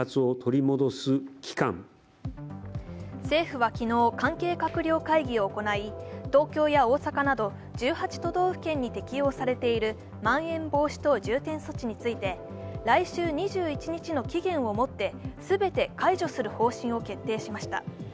政府は昨日、関係閣僚会議を行い東京や大阪など１８都道府県に適用されているまん延防止等重点措置について来週２１日の期限をもって全て解除する方針を決定しました。